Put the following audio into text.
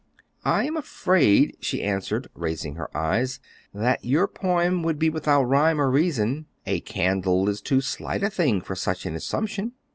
"I am afraid," she answered, raising her eyes, "that your poem would be without rhyme or reason; a candle is too slight a thing for such an assumption."